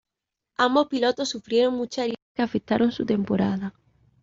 Ambos pilotos sufrieron muchas heridas que afectaron su temporada.